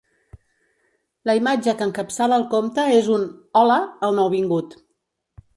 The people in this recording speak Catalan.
La imatge que encapçala el compte és un ‘Hola’ al nouvingut.